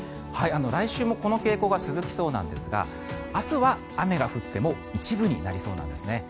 来週もこの傾向が続きそうなんですが明日は雨が降っても一部になりそうなんですね。